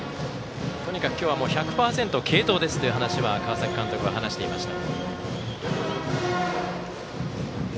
とにかく今日は１００％継投ですという話は川崎監督は話していました。